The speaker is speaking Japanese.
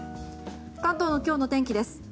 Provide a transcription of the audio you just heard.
関東の今日の天気です。